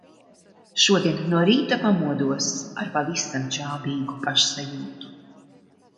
Šodien no rīta pamodos ar pavisam čābīgu pašsajūtu.